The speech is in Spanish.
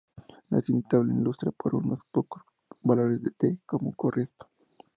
La siguiente tabla ilustra, para unos pocos valores de "d", cómo ocurre esto.